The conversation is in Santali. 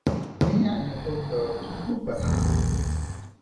ᱩᱱᱤᱭᱟᱜ ᱧᱩᱛᱩᱢ ᱫᱚ ᱠᱤᱠᱩ ᱠᱟᱱᱟ᱾